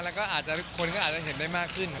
แล้วก็คนก็อาจจะเห็นได้มากขึ้นครับ